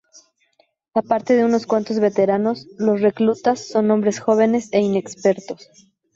Aparte de unos cuantos veteranos, los reclutas son hombres jóvenes e inexpertos.